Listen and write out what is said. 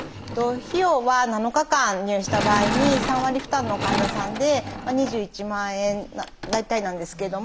費用は７日間入院した場合に３割負担の患者さんで２１万円大体なんですけれども。